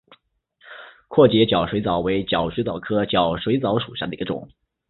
阔节角水蚤为角水蚤科角水蚤属下的一个种。